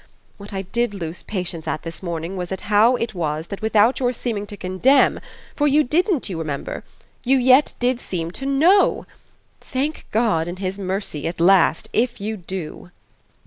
What I did lose patience at this morning was at how it was that without your seeming to condemn for you didn't, you remember! you yet did seem to KNOW. Thank God, in his mercy, at last, IF you do!"